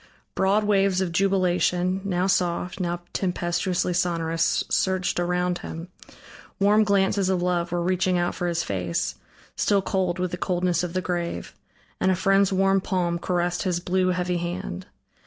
Broad waves of jubilation, now soft, now tempestuously sonorous surged around him; warm glances of love were reaching out for his face, still cold with the coldness of the grave; and a friend's warm palm caressed his blue, heavy hand.